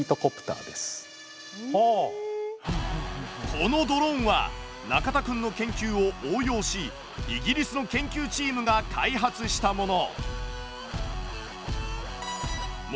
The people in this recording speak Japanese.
このドローンは中田くんの研究を応用しイギリスの研究チームが開発したもの。